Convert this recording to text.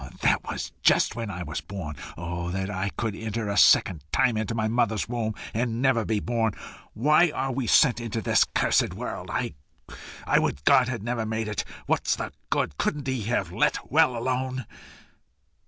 That was just when I was born! Oh that I could enter a second time into my mother's womb, and never be born! Why are we sent into this cursed world? I would God had never made it. What was the good? Couldn't he have let well alone?"